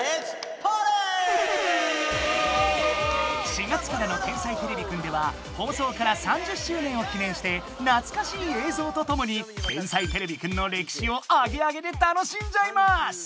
４月からの「天才てれびくん」では放送から３０周年を記念してなつかしい映像とともに「天才てれびくん」のれきしをアゲアゲで楽しんじゃいます！